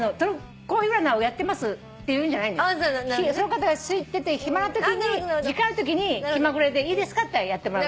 その方がすいてて暇なときに時間あるときに気まぐれでいいですか？ってやってもらう。